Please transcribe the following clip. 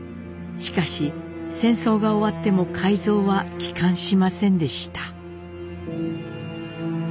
しかし戦争が終わっても海蔵は帰還しませんでした。